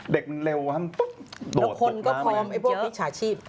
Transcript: เด็กมันเร็วว่าดาบตกแล้วคนก็คอมพวกพิสัยชีพ